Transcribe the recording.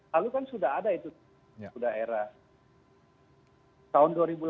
lalu kan sudah ada itu daerah